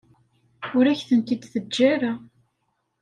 Ur ak-tent-id-teǧǧa ara.